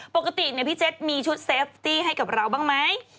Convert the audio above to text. ปกติพี่เจ็ดมีชุดเซฟตี้ให้กับเราบ้างไหม